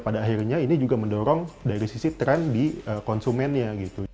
pada akhirnya ini juga mendorong dari sisi tren di konsumennya gitu